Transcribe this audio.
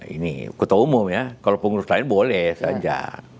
ini ketua umum ya kalau pengurus lain boleh saja